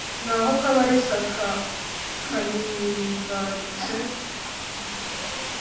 Naho Kabalisa aka kanyibarutse